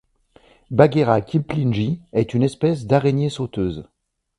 Bagheera kiplingi est une espèce d'araignée sauteuse.